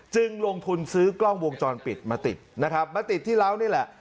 ลงทุนซื้อกล้องวงจรปิดมาติดนะครับมาติดที่เล้านี่แหละ